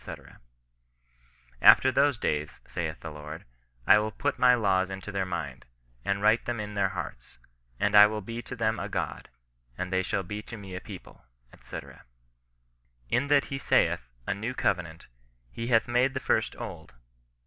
After those days, saith the Lord, I will put my laws into their mind, and write them in their hearts ; and I will be to them a God, and they shall be to me a people," &c. " In that he saith, a new covenant, he hath made the first old.